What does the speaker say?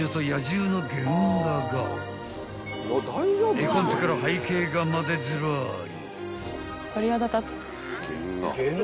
［絵コンテから背景画までずらり］